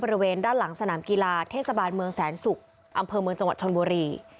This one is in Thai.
บริเวณด้านหลังสนามกีฬาเทศบาลเมืองแสนศุกร์อำเภอเมืองจังหวัดชนบุรี